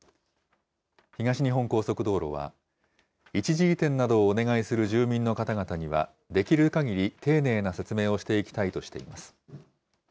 東日本高速道路は、一時移転などをお願いする住民の方々にはできるかぎり丁寧な説明をしていきたいとしています。